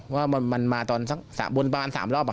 น่าจะวางแผนมาก่อนครับเพราะเขามาดักรอผมแล้วอ่ะ